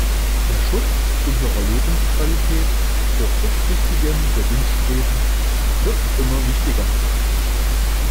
Der Schutz unserer Lebensqualität vor kurzsichtigem Gewinnstreben wird immer wichtiger.